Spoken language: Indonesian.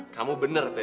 kamu bener teo